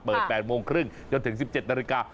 ๘โมงครึ่งจนถึง๑๗นาฬิกา